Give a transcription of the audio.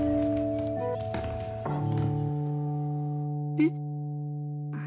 えっ？